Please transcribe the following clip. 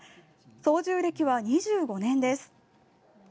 操縦歴は２５年です。